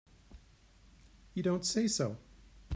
You don't say so!